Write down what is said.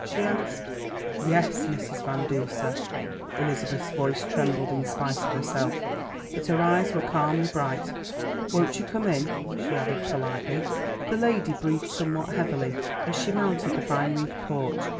she asked. "Yes, Mrs. Van Duser." Elizabeth's voice trembled in spite of herself, but her eyes were calmly bright. "Won't you come in?" she added politely. The lady breathed somewhat heavily as she mounted the vine wreathed porch.